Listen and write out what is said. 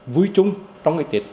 vui chung trong ngày tết